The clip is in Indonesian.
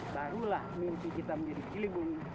barulah mimpi kita menjadi ciliwung